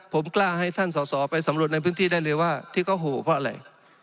ผมกล้าให้ท่านสอสอไปสำรวจในพื้นที่ได้เลยว่าที่เขาโหเพราะอะไร